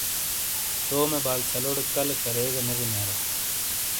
تومے بال چھلوڑے کَلے کرے گہ نے بُنیارا۔